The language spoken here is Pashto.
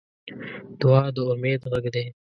دعا د امید غږ دی.